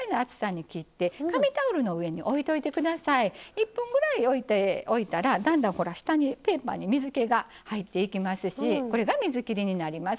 １分ぐらい置いておいたらだんだんほら下にペーパーに水けが入っていきますしこれが水切りになります。